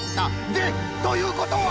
でということは！？